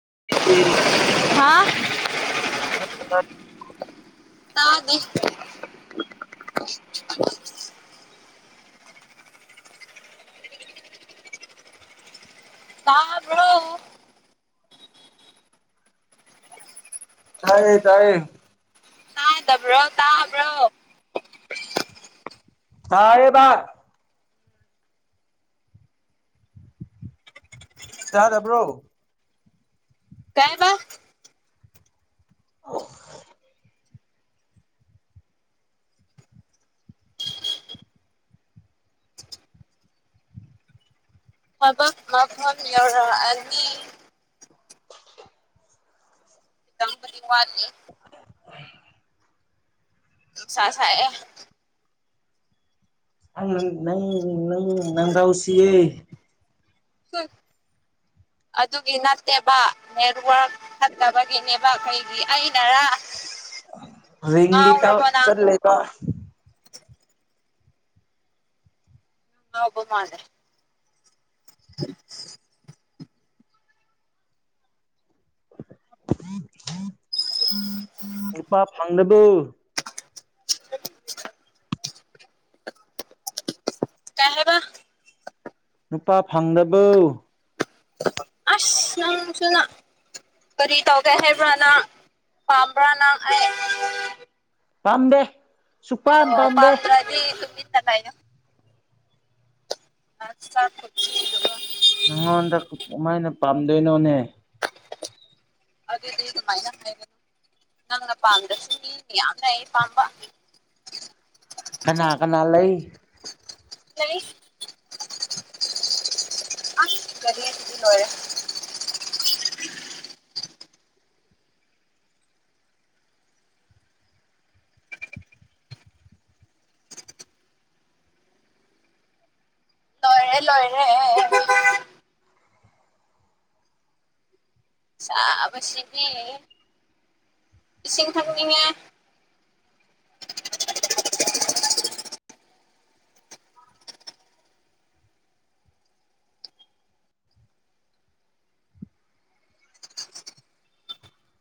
[unintelligible] ꯍꯥꯥ ꯍ ꯇꯥꯗ ꯇꯥꯕ꯭ꯔꯣꯎ ꯇꯥꯏꯌꯦ ꯇꯥꯏꯌꯦ ꯇꯥꯗꯕ꯭ꯔꯣ ꯇꯥꯕ꯭ꯔꯣ ꯁꯥꯔꯦꯕꯔ ꯇꯗꯕ꯭ꯔꯣ ꯀꯥꯏ ꯕ ꯑ ꯍ ꯃꯥꯐꯝ ꯌꯧꯔ ꯑꯅꯤ ꯋꯥꯅꯤ ꯎ ꯅꯨꯡꯁꯥ ꯁꯥꯏ ꯑꯦ ꯑ ꯅꯪ ꯅꯪ ꯅꯪꯗꯥꯥꯎꯁꯤꯌꯦ ꯑꯗꯨꯒꯤ ꯅꯠꯇꯦꯕ ꯅꯦꯔꯋꯛ ꯍꯠꯇꯕꯒꯦꯅꯦꯕ ꯀꯩꯒꯤ ꯑꯩꯅꯔ ꯔꯡꯗꯤ ꯇ ꯉꯥꯎꯔꯕꯣ ꯅꯪ ꯆꯠꯂꯦꯕ ꯕ ꯃꯥꯗ꯭ꯔꯦ [unintelligible] ꯍ [unintelligible] [unintelligible] [unintelligible] ꯗꯣ ꯀꯥꯏ ꯍꯥꯏꯕ ꯅꯨꯄꯥ ꯐꯪꯗꯕꯧ ꯑꯁ ꯅꯪꯁꯤꯅ ꯀꯔꯤ ꯇꯧꯒꯦ ꯍꯥꯏꯕ꯭ꯔꯅ ꯄꯥꯝꯕ꯭ꯔꯅ ꯍꯥꯏ ꯄꯝ ꯗꯦ ꯑꯣ ꯄꯥꯟꯗ꯭ꯔꯗꯤ ꯆ ꯑ ꯆꯔꯤ [unintelligible] ꯅꯪꯉꯣꯟꯗ ꯀꯃꯥꯏꯅ ꯄꯥꯝꯗꯣꯏꯅꯣꯅꯦ ꯑꯗꯨꯗꯤ ꯑꯗꯨ ꯃꯥꯏꯅ ꯍꯥꯏꯒꯅ ꯅꯪ ꯄꯥꯡꯝꯗꯁꯨ ꯃꯤ ꯃꯌꯝꯅ ꯑꯩ ꯄꯥꯝꯕ ꯀꯅꯥ ꯀꯅꯥ ꯂꯩ [unintelligible] ꯑ ꯀꯔꯤꯌꯥ ꯇ ꯂꯣꯏꯔꯦ ꯂꯣꯏꯔꯦ ꯂꯣꯏꯔꯦ ꯁꯥꯕꯁꯤꯗꯤ ꯏꯁꯤꯡ ꯊꯛꯅꯤꯉꯦ [unintelligible]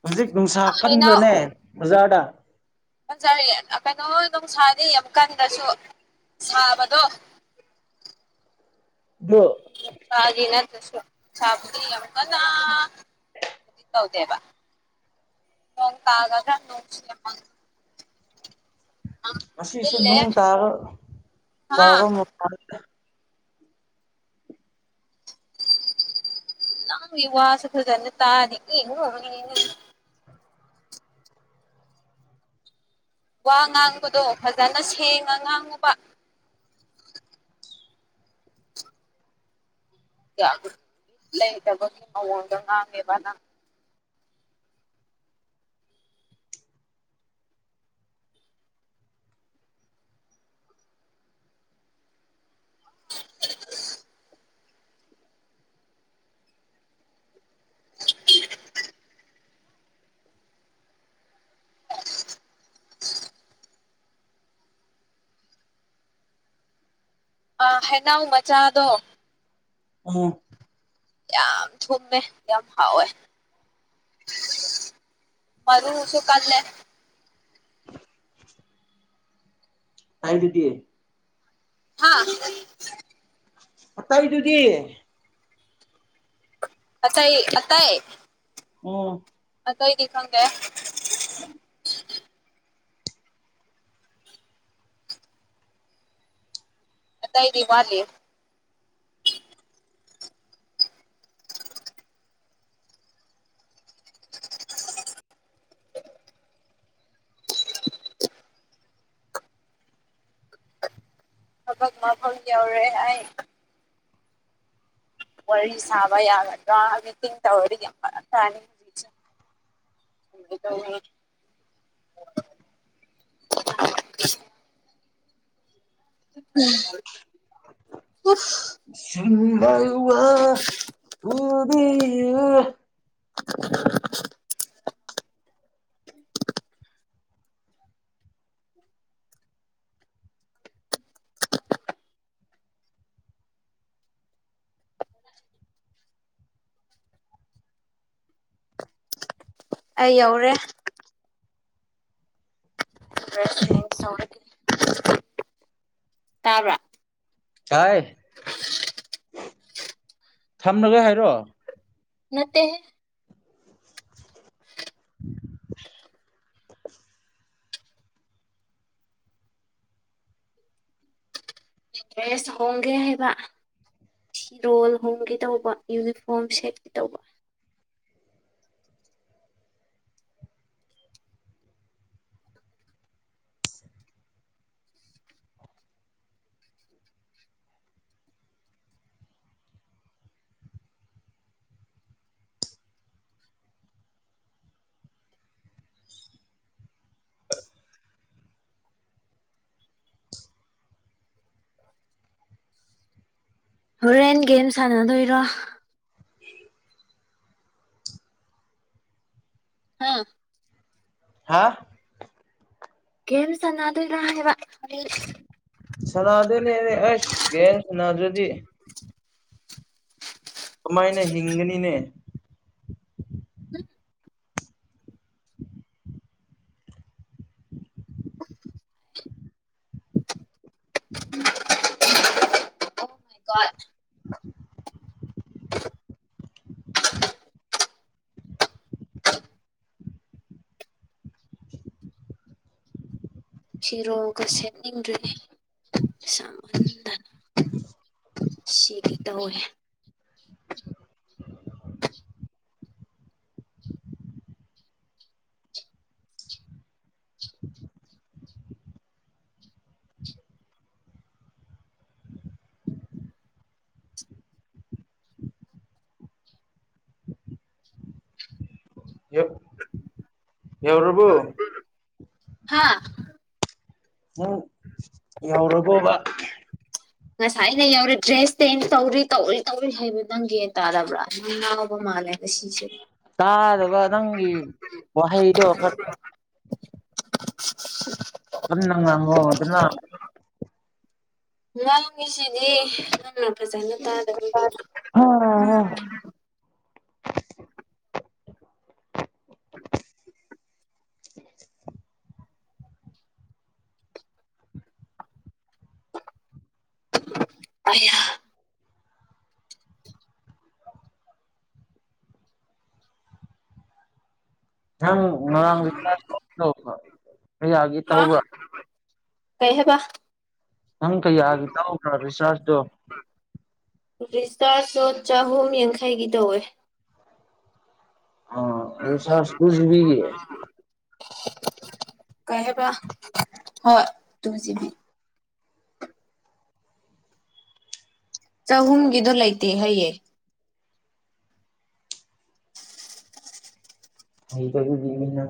ꯍꯧꯖꯤꯛ ꯅꯨꯡꯁꯥ ꯍꯩꯅꯧ ꯀꯟꯕ꯭ꯔꯅꯦ ꯕꯖꯥꯔꯗ ꯐꯖꯔꯤ ꯀꯩꯅꯣ ꯑꯗꯨꯝ ꯁꯥꯅꯤ ꯑꯃꯨꯛꯀꯥꯟꯗꯁꯨ ꯁꯥꯕꯗꯣ [unintelligible] ꯑꯗꯣ ꯅ ꯅꯠꯇꯁꯨ ꯅꯨꯡꯁꯥꯕꯨꯗꯤ ꯌꯥꯝ ꯀꯅꯥ ꯇꯧꯗꯦꯕ ꯅꯣꯡ ꯇꯥꯒꯗ꯭ꯔ [unintelligible] ꯑꯁꯤꯁꯨ ꯅꯨꯡ ꯇꯥꯔꯣꯏ ꯍꯥ ꯇ [unintelligible] ꯅꯥꯡꯒꯤ ꯋꯥꯁꯨ ꯐꯖꯟꯅ ꯇꯥꯗꯦ [unintelligible] ꯋꯥ ꯉꯥꯡꯕꯗꯣ ꯐꯖꯅ ꯁꯦꯡꯉ ꯉꯥꯡꯉꯨꯕ ꯂꯩꯇꯕꯒꯤ ꯃꯑꯣꯡꯗꯣ ꯉꯥꯡꯉꯦꯕ ꯅꯪ [unintelligible] ꯑꯥ ꯍꯦꯅꯥꯎ ꯃꯆꯥꯗꯣ ꯑ ꯌꯥꯝ ꯊꯨꯝꯃꯦ ꯌꯥꯝ ꯍꯥꯎꯋꯦ ꯃꯔꯨꯁꯨ ꯀꯥꯟꯂꯦ ꯍꯥꯏꯕꯗꯤ ꯍꯥꯥ ꯑ ꯇꯏꯗꯨꯗꯤ ꯑꯊꯥꯏ ꯑꯠꯇꯌꯦ ꯎꯝ ꯏꯗꯤ ꯈꯪꯒꯦ ꯎꯝ ꯑ ꯇꯥꯏꯗꯤ ꯃꯥꯂꯤꯦ ꯍꯕꯛ ꯃꯥ ꯐ ꯌꯥꯎꯔꯦ ꯍꯥꯏ ꯋꯥꯔꯤ ꯁꯥꯕ ꯌꯥꯕꯤꯡ ꯇꯧꯔꯤꯅꯤꯡ [unintelligible] [unintelligible] ꯎꯝ ꯄꯨ ꯁꯕ ꯋꯥ ꯎꯗ [unintelligible] ꯑꯩ ꯌꯧꯔꯦ ꯁ ꯇꯥꯕ꯭ꯔꯥ ꯁꯑ [inaudible] ꯊꯝꯅꯒ ꯍꯥꯏꯔꯣ ꯅꯠꯇꯦ [inaudible] ꯦꯁ ꯍꯣꯡꯒꯦ ꯍꯥꯏꯕ ꯁꯤꯤꯔꯣꯜ ꯍꯣꯡꯒꯦ ꯇꯧꯕ ꯌꯨꯅꯤꯐꯣꯔꯝ ꯁꯦꯠꯀꯤꯦ ꯇꯧꯕ ꯍꯣꯔꯦꯟ ꯒꯦꯝ ꯁꯥꯟꯅꯗꯣꯏꯔꯣ ꯍꯥꯥ ꯍꯥꯥ ꯦꯝꯁꯅ ꯑꯗꯨ ꯅ ꯋꯥ ꯁꯅꯥꯗꯅꯤꯅꯦꯦ ꯑꯁ ꯀꯦ ꯁꯅꯥꯗꯨꯗꯤ ꯀꯃꯥꯏꯅ ꯍꯤꯡꯒꯅꯤꯅꯦ ꯎꯝ ꯣ ꯁꯤꯔꯣꯒ ꯁꯦꯝꯦꯠꯅꯤꯡꯗꯔꯤꯅꯦꯗꯅ ꯁꯤꯔꯤ ꯇꯋꯋꯦ ꯌ ꯌꯎ꯭ꯔꯕꯨ ꯍꯥꯥ ꯎꯝ ꯌꯥꯎꯔꯔꯕꯣꯕ ꯉꯁꯥꯏꯩꯅ ꯌꯧꯔꯤ ꯗ꯭ꯔꯦꯁ ꯆꯦꯟꯖ ꯇꯧꯔꯤ ꯇꯧꯔꯤ ꯇꯧꯔꯤ ꯍꯥꯏꯕ ꯅꯪꯒꯤꯦ ꯇꯥꯔꯕ꯭ꯔꯥ ꯅꯪ ꯂꯥꯎꯕ ꯃꯥꯜꯂꯦ ꯉꯁꯤꯁꯦ ꯇꯥꯗꯕ ꯅꯪꯒꯤ ꯋꯥꯍꯩꯗꯣ ꯈꯔ ꯐꯉꯉꯣ ꯑꯗꯨ ꯅꯁꯤꯗꯤ ꯐꯖꯅ ꯇꯥꯗꯕꯒꯤ ꯑ ꯌꯥꯝ ꯉꯔꯥꯡ ꯔꯤꯆꯥꯔ ꯇ ꯀꯌꯥꯒꯤ ꯇꯧꯕ꯭ꯔꯥ ꯀꯩꯍꯕ ꯍꯪ ꯀꯩ ꯍꯥꯏꯒ ꯇꯥꯎ ꯈꯔ ꯁꯋꯥꯁꯗ ꯔꯤꯁꯇꯥꯔꯁꯨ ꯆꯍꯨꯝ ꯌꯥꯡꯈꯩꯒꯤ ꯇꯧꯋꯦ ꯑ ꯑꯗꯨ ꯆꯁꯁꯤꯕꯤꯒ ꯀꯍꯦꯕ ꯍ ꯇꯕꯨ ꯆꯃꯤꯅꯤ [inaudible] ꯆꯍꯨꯝꯒꯤꯗꯣ ꯂꯩꯇꯦ ꯍꯩꯑꯦ ꯍ ꯀ ꯑꯗꯨꯗꯤꯅ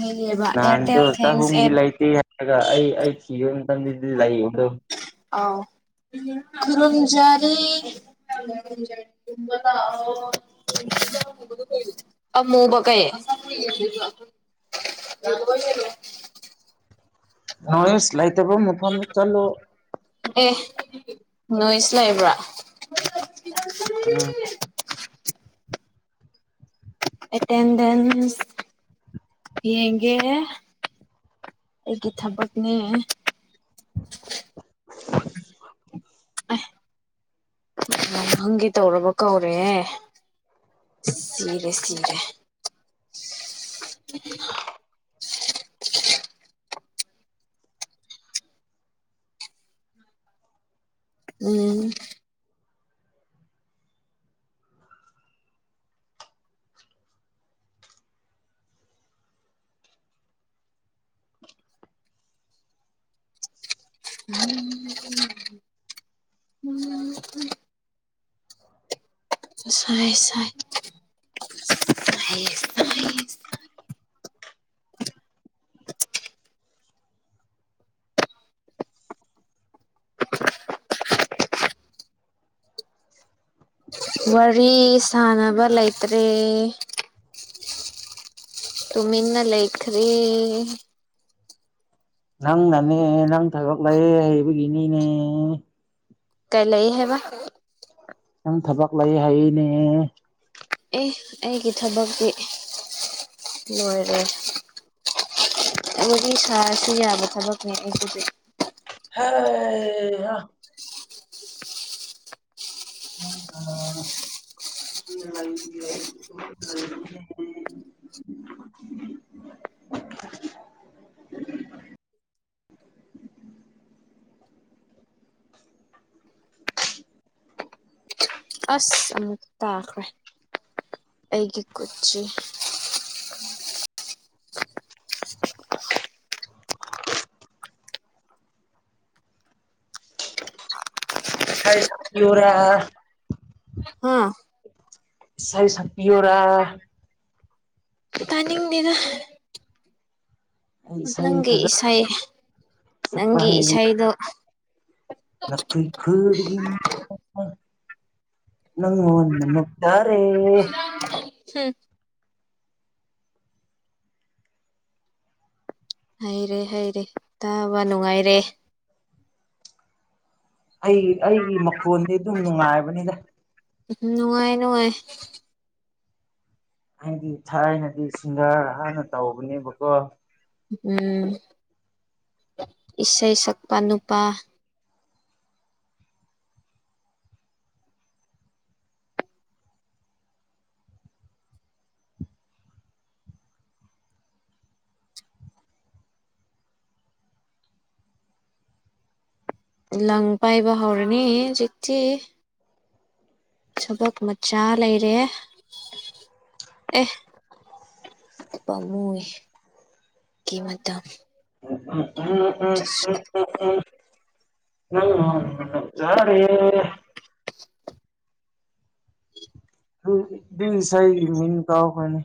ꯍꯥꯏꯌꯦꯕ ꯅꯍꯥꯟꯁꯨ ꯑꯦꯌꯥꯔꯇꯦꯜ ꯊꯦꯡꯁ ꯆꯍꯨꯝꯒꯤ ꯑꯦꯞ ꯂꯩꯇꯦ ꯍꯥꯏꯔꯒ ꯑꯩ ꯑꯩ ꯊꯤꯈꯤꯕ ꯃꯇꯝꯗꯗꯤ ꯂꯩ ꯑꯗꯣ ꯑ ꯀꯨꯟꯖꯔꯤ ꯑꯃꯨꯕ ꯀꯑꯦ ꯌꯥꯝꯣ ꯅꯣꯏ ꯏꯁ ꯂꯩꯥꯏꯇꯕꯣ ꯃ ꯐꯣꯟ ꯆꯂꯣ ꯅꯣꯏꯁ ꯂꯩꯕ꯭ꯔꯥ ꯑ ꯑꯦꯇꯦꯟꯗꯦꯟꯁ ꯌꯦꯡꯒꯦ ꯑꯩꯒꯤ ꯏ ꯊꯄꯛꯅꯤ ꯍꯥꯏ ꯑꯦ ꯅꯍꯪꯒꯤ ꯇꯧꯔꯕ ꯀꯧꯔꯦ ꯁꯔꯦ ꯁꯔꯦ [unintelligible] ꯎꯝ ꯎꯝ ꯁꯥꯏ ꯁꯥꯏꯥꯏ [unintelligible] ꯋꯥꯔꯤ ꯁꯥꯟꯅꯕ ꯂꯩꯇ꯭ꯔꯦ ꯇꯨꯃꯤꯅ ꯂꯩꯈꯔꯤ ꯅꯪꯅ ꯅꯪꯊꯕꯥꯛꯂ ꯑꯩꯕꯒꯤꯅꯤꯅꯦ ꯀꯥꯏ ꯂꯩ ꯍꯥꯏꯦꯕ ꯌꯥꯝ ꯊꯕꯛ ꯂꯩ ꯍꯥꯏꯅꯦ ꯑꯦ ꯑꯩꯒꯤ ꯊꯕꯛꯇꯤ ꯂꯣꯏꯔꯦ ꯑꯣꯒꯤ ꯁꯥꯁꯨ ꯌꯥꯕ ꯊꯕꯛꯅꯦꯗꯤ ꯍ ꯑ ꯎꯝ [unintelligible] [unintelligible] [unintelligible] [unintelligible] ꯑꯁ ꯑꯃꯨ ꯇꯈ꯭ꯔꯦ ꯑꯩꯒꯤ ꯀꯨꯆꯤ ꯍꯁ ꯄꯌꯔ ꯍꯥ ꯁꯥꯏ ꯁ ꯄꯤꯌꯔꯥ ꯇꯅꯤꯡꯗꯗ ꯑꯩ ꯏꯁꯩ ꯅꯪꯒꯤ ꯐꯖ ꯏꯁꯩ ꯅꯪꯒꯤ ꯏꯁꯩꯗꯣ ꯂ ꯈ ꯅꯪꯟꯅ ꯅꯇꯔꯦ ꯍꯝ ꯍꯩꯔꯦ ꯍꯩꯔꯦ ꯇꯥꯕ ꯅꯨꯡꯉꯥꯏꯔꯦ ꯑꯩ ꯑꯩꯒꯤ ꯃꯈꯣꯟꯗꯤ ꯑꯗꯨꯝ ꯅꯨꯡꯉꯥꯏꯕꯅꯤꯗ ꯅꯨꯡꯉꯥꯏ ꯅꯨꯡꯉꯥꯏ ꯑꯩꯗꯤ ꯊꯥꯏꯅꯗꯤ ꯁꯤꯡꯒꯥꯔ ꯍꯥꯟꯅ ꯇꯧꯕꯅꯦꯕꯀꯣ ꯎꯝ ꯏꯁꯩ ꯁꯛꯄ ꯅꯨꯄꯥ ꯂꯪ ꯄꯥꯏꯕ ꯍꯧꯔꯅꯤ ꯍꯧꯖꯤꯛꯇꯤ ꯊꯕꯛ ꯃꯆꯥ ꯂꯩꯔꯦ ꯑꯦ ꯄꯃꯣꯏ ꯀꯃ ꯃꯇꯝ ꯎꯝ ꯎꯝ ꯎꯝ ꯎ ꯌꯥꯔꯦ ꯑꯗꯨꯗꯨꯏ ꯁꯍꯤꯒꯤ ꯃꯤꯅ ꯀꯑꯣ ꯀꯅꯤ